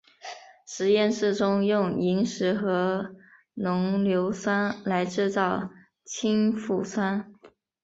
实验室中用萤石和浓硫酸来制造氢氟酸。